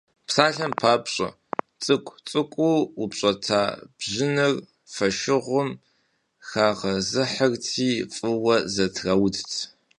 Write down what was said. Псалъэм папщӏэ, цӏыкӏу-цӏыкӏуу упщӏэта бжьыныр фошыгъум хагъэзэрыхьти, фӏыуэ зэтраудт.